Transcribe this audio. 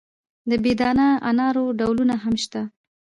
د بې دانه انارو ډولونه هم شته.